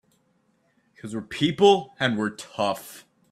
Because we're the people and we're tough!